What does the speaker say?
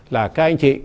là các anh chị